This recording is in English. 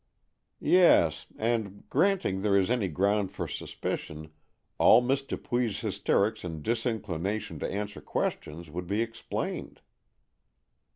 "Yes, and, granting there is any ground for suspicion, all Miss Dupuy's hysterics and disinclination to answer questions would be explained."